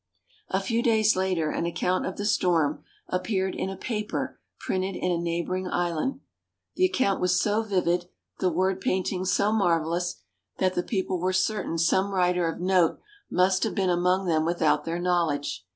A few days later, an account of the storm appeared in a paper printed in a neighbouring island. The account was so vivid, the word painting so marvellous, that the people were certain some writer of note must have been among them without their knowledge.